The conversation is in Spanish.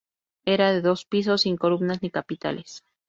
Era de dos pisos sin columnas ni capiteles.